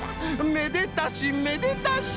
めでたしめでたし！